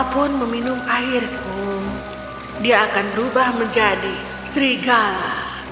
siapapun meminum airku dia akan berubah menjadi serigala